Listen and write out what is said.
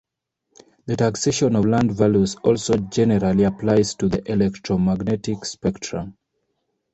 The taxation of land values also generally applies to the electromagnetic spectrum.